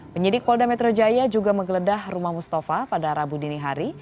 penyidik polda metro jaya juga menggeledah rumah mustafa pada rabu dini hari